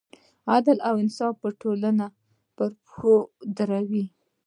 عدل او انصاف ټولنه پر پښو دروي.